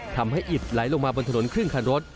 ทำให้อิดไหลลงมาบนถนนครึ่งคันรถ